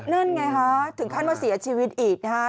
นั่นไงฮะถึงขั้นว่าเสียชีวิตอีกนะคะ